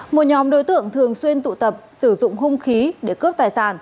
một nhóm đối tượng thường xuyên tụ tập sử dụng hung khí để cướp tài sản